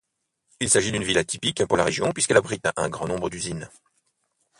Il s'agit d'une ville atypique pour la région puisqu'elle abrite un grand nombre d'usines.